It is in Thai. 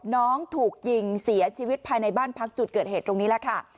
น้องถูกยิงเสียชีวิตภายในบ้านพักจุดเกิดเหตุตรงนี้แหละค่ะ